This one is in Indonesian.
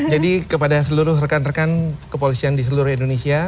jadi kepada seluruh rekan rekan kepolisian di seluruh indonesia